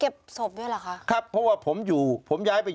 คับเพราะว่าผมอยู่ผมย้ายไปอยู่ที่โรงพยาบาลราชทัน